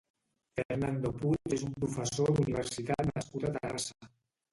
Fernando Puig és un professor d'universitat nascut a Terrassa.